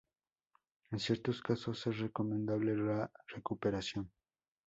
En ciertos casos, es recomendable la recuperación.